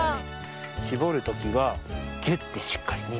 しぼるときはぎゅってしっかりにぎります。